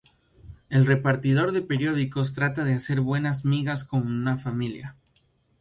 El repartidor de periódicos trata de hacer buenas migas con una familia.